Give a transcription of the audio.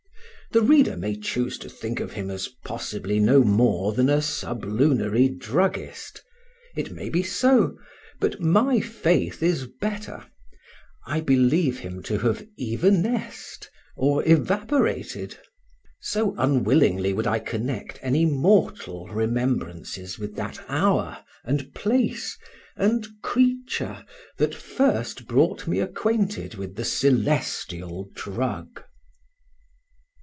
The reader may choose to think of him as possibly no more than a sublunary druggist; it may be so, but my faith is better—I believe him to have evanesced, or evaporated. So unwillingly would I connect any mortal remembrances with that hour, and place, and creature, that first brought me acquainted with the celestial drug.